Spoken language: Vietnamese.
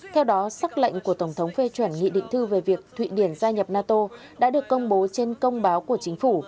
theo đó sắc lệnh của tổng thống phê chuẩn nghị định thư về việc thụy điển gia nhập nato đã được công bố trên công báo của chính phủ